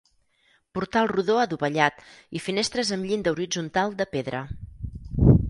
Portal rodó adovellat i finestres amb llinda horitzontal de pedra.